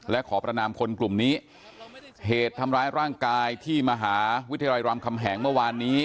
และขอประนามคนกลุ่มนี้เหตุทำร้ายร่างกายที่มหาวิทยาลัยรามคำแหงเมื่อวานนี้